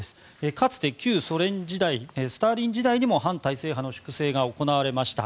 かつて旧ソ連時代スターリン時代にも反体制派の粛清が行われました。